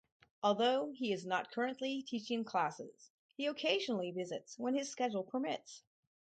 Although he is not currently teaching classes, he occasionally visits when his schedule permits.